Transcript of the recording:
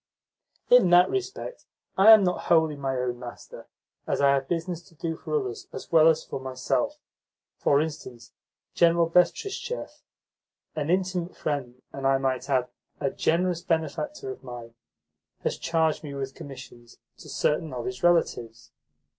"In that respect I am not wholly my own master, as I have business to do for others as well as for myself. For instance, General Betristchev an intimate friend and, I might add, a generous benefactor of mine has charged me with commissions to certain of his relatives.